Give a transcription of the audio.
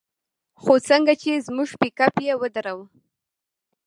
خو څنگه چې زموږ پېکپ يې ودراوه.